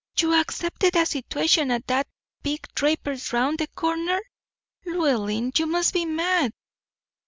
"You accepted a situation at that big draper's round the corner? Llewellyn, you must be mad!"